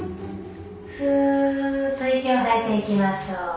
フーッと息を吐いていきましょう。